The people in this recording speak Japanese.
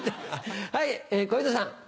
はい小遊三さん。